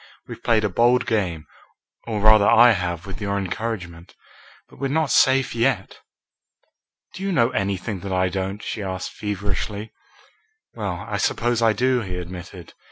We've played a bold game, or rather I have with your encouragement, but we're not safe yet." "Do you know anything that I don't?" she asked feverishly. "Well, I suppose I do," he admitted.